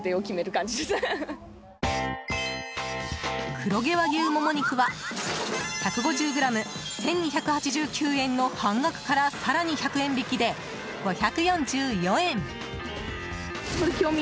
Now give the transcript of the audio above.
黒毛和牛モモ肉は１５０ｇ１２８９円の半額から更に１００円引きで、５４４円。